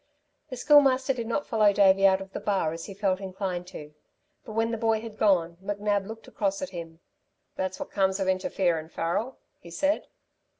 The Schoolmaster did not follow Davey out of the bar as he felt inclined to; but when the boy had gone McNab looked across at him. "That's what comes of interferin', Farrel," he said.